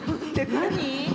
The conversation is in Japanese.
何？